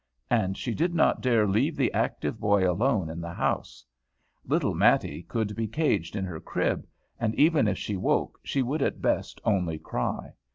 And she did not dare leave the active boy alone in the house. Little Matty could be caged in her crib, and, even if she woke, she would at best only cry.